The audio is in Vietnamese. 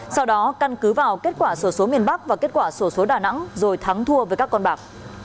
sau đó căn cứ vào kết quả sổ số miền bắc và kết quả sổ số đà nẵng rồi thắng thua với các con bạc